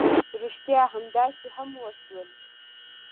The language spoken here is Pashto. ريښتيا همداسې هم وشول.